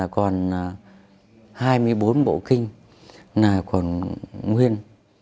còn hai mươi bốn bộ kinh này còn nguyên